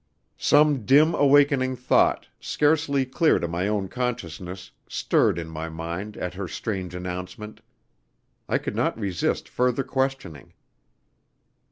Some dim awakening thought, scarcely clear to my own consciousness, stirred in my mind at her strange announcement. I could not resist further questioning.